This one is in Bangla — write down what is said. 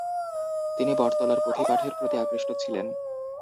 তিনি বটতলার পুঁথি পাঠের প্রতি আকৃষ্ট ছিলেন।